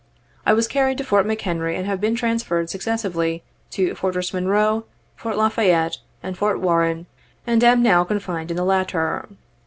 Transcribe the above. I was carried to Fort McHenry and have been transferred successively to Fortress Monroe, Fort La Fayette, and Fort Warren, and am now confined in the latter.